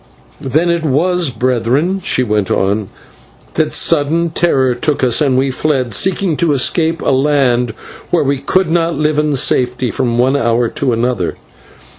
"Then it was, brethren, that sudden terror took us, and we fled, seeking to escape a land where we could not live in safety from one hour to another.